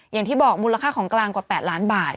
อย่างที่บอกมูลค่าของกลางกว่า๘ล้านบาท